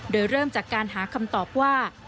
โดยเริ่มจากการหาคำตอบว่า